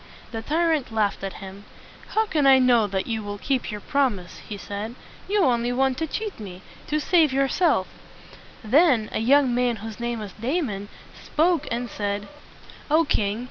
The tyrant laughed at him. "How can I know that you will keep your promise?" he said. "You only want to cheat me, and save your self." Then a young man whose name was Da mon spoke and said, "O king!